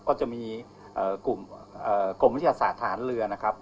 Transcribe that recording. ก็จะมีกลุ่มกรมวิทยาศาสตร์ทหารเรือนะครับ